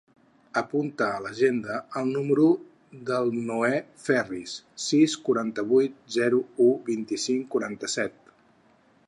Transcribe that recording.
Apunta a l'agenda el número del Noè Ferriz: sis, quaranta-vuit, zero, u, vint-i-cinc, quaranta-set.